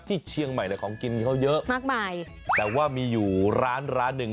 ที่เชียงใหม่เนี่ยของกินเขาเยอะมากมายแต่ว่ามีอยู่ร้านร้านหนึ่ง